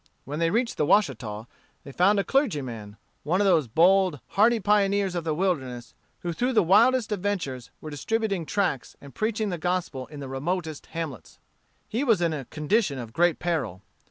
When they reached the Washita, they found a clergyman, one of those bold, hardy pioneers of the wilderness, who through the wildest adventures were distributing tracts and preaching the gospel in the remotest hamlets. He was in a condition of great peril.